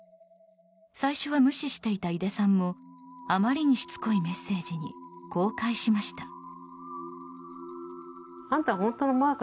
最初は無視していた井出さんもあまりにしつこいメッセージにこう返しました。